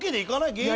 芸人。